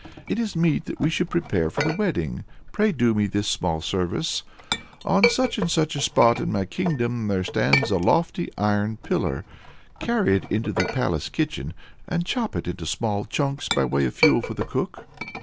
It is meet that we should prepare for the wedding; pray do me this small service. On such and such a spot of my kingdom there stands a lofty iron pillar. Carry it into the palace kitchen, and chop it into small chunks by way of fuel for the cook."